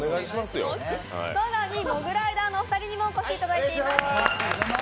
更にモグライダーのお二人にもお越しいただいています。